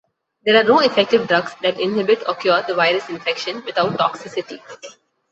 There are no effective drugs that inhibit or cure the virus infection without toxicity.